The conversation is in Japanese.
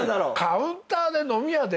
カウンターで飲み屋で？